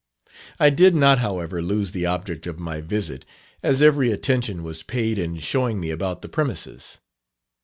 I did not however lose the object of my visit, as every attention was paid in showing me about the premises.